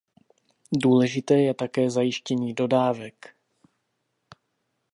Důležité je také zajištění dodávek.